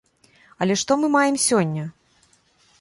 Але што мы маем сёння?